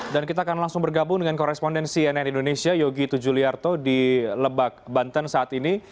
dan kita akan langsung bergabung dengan korespondensi nn indonesia yogi tujuliarto di lebak banten saat ini